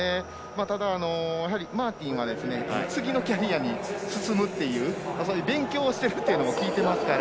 ただ、マーティンは次のキャリアに進むという勉強をしてるというのも聞いてますから。